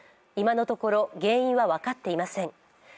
今のところ、原因は分かっていません。